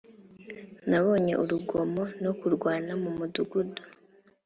nabonye urugomo no kurwana mu mudugudu